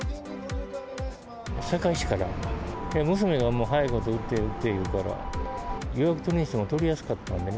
堺市から、娘が早いこと打って、打って言うから、予約取るにしても取りやすかったんでね。